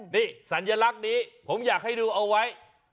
นี่สัญลักษณ์นี้ผมอยากให้ดูเอาไว้